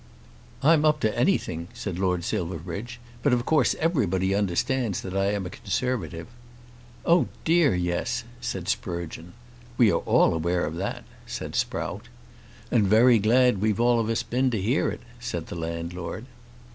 "I'm up to anything," said Lord Silverbridge; "but of course everybody understands that I am a Conservative." "Oh dear, yes," said Sprugeon. "We are all aware of that," said Sprout. "And very glad we've all of us been to hear it," said the landlord.